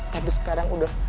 tapi sekarang udah